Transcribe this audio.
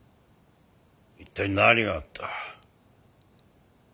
一体何があった？